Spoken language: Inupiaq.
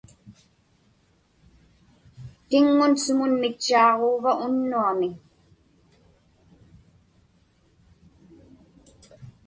Tiŋŋun sumun mitchaaġuuva unnuami?